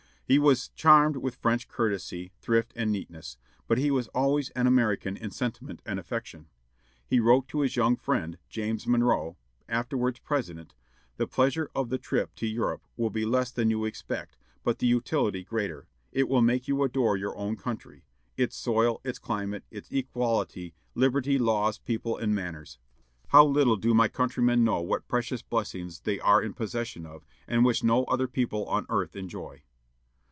He was charmed with French courtesy, thrift, and neatness, but he was always an American in sentiment and affection. He wrote to his young friend, James Monroe, afterwards President: "The pleasure of the trip to Europe will be less than you expect, but the utility greater. It will make you adore your own country, its soil, its climate, its equality, liberty, laws, people, and manners. How little do my countrymen know what precious blessings they are in possession of, and which no other people on earth enjoy!"